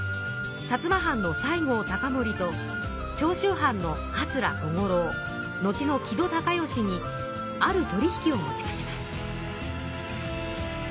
薩摩藩の西郷隆盛と長州藩の桂小五郎後の木戸孝允にある取り引きを持ちかけます。